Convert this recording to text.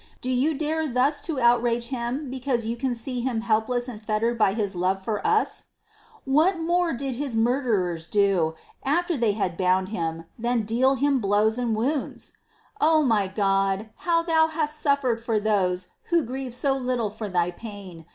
Do you dare thus to outrage Him because you see Him helpless and fettered by His love for us ? What more 7 98. MINOR WORKS OF ST. TERESA. did His murderers do, after they had bound Him, than deal Him blows and wounds ?: 10. O my God ! how Thou hast suffered for those who grieve so little for Thy pain